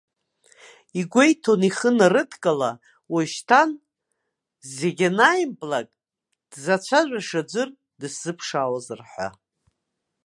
Игәеиҭон ихы нарыдкыла, уажәшьҭан зегьы анааимплак дзацәажәаша аӡәыр дысзыԥшаауазар ҳәа.